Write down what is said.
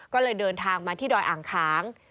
ก็เลยเดินทางมาที่ดอยอ่างค้าง